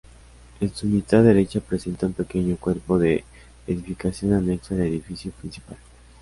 En su mitad derecha presenta un pequeño cuerpo de edificación anexo al edificio principal.